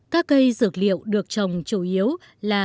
các cây dược liệu được trồng chủ yếu là